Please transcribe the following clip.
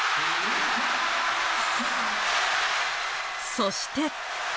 そして。